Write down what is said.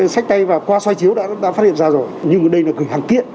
sách tay và qua xoay chiếu đã phát hiện ra rồi nhưng mà đây là gửi hàng tiện